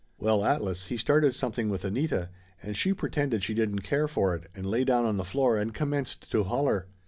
Well, Atlas, he started something with Anita, and she pretended she didn't care for it and lay down on the floor and commenced to holler.